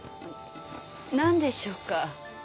なんでしょうか？